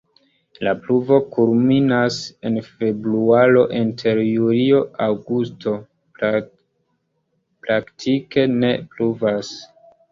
La pluvo kulminas en februaro, inter julio-aŭgusto praktike ne pluvas.